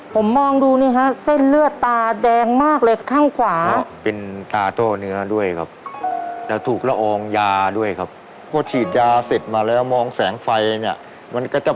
ผมมองดูนี่ฮะเส้นเลือดตาแดงมากเลยข้างขวา